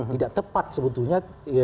tidak tepat sebetulnya